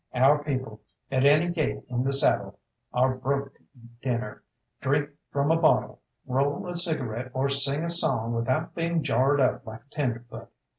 Our people, at any gait in the saddle, are broke to eat dinner, drink from a bottle, roll a cigarette, or sing a song without being jarred up like a tenderfoot.